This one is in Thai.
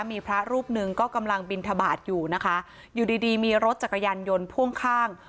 มีพระรูปหนึ่งก็กำลังบินทบาทอยู่นะคะอยู่ดีดีมีรถจักรยานยนต์พ่วงข้าง